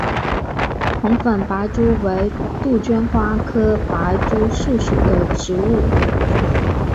红粉白珠为杜鹃花科白珠树属的植物。